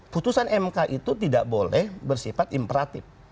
putusan mk itu tidak boleh bersifat imperatif